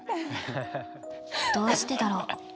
どうしてだろう。